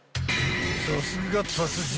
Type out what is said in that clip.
［さすが達人］